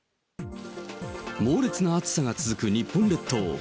猛烈な暑さが続く日本列島。